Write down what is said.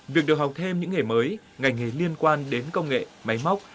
việc được học thêm những nghề mới ngành nghề liên quan đến công nghệ máy móc